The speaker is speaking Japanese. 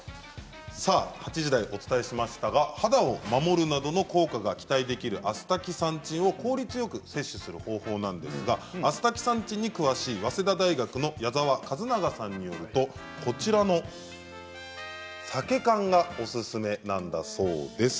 ８時台にお伝えしましたが肌を守るなどの効果が期待できるアスタキサンチンを効率よく摂取する方法なんですがアスタキサンチンに詳しい早稲田大学の矢澤一良さんによるとサケ缶がおすすめなんだそうです。